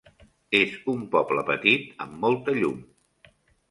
És un poble petit amb molta llum.